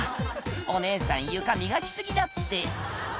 「お姉さん床磨き過ぎだって」